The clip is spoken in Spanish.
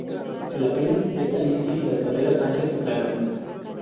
La pelvis es saliente y las caderas anchas y planas.